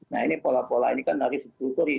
nah ini pola pola ini kan harus ditelusuri